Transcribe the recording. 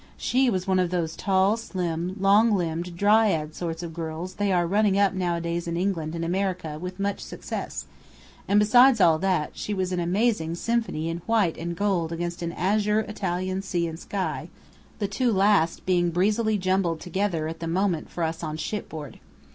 She was one of those tall, slim, long limbed, dryad sort of girls they are running up nowadays in England and America with much success; and besides all that, she was an amazing symphony in white and gold against an azure Italian sea and sky, the two last being breezily jumbled together at the moment for us on shipboard.